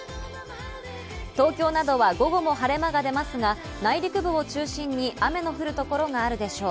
東京などは午後も晴れ間が出ますが、内陸部を中心に雨の降る所があるでしょう。